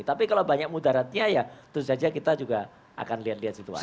tapi kalau banyak mudaratnya ya tentu saja kita juga akan lihat lihat situasinya